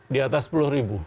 di atas sepuluh ribu